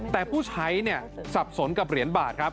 แต่ผู้ใช้สับสนกับเหรียญบาทครับ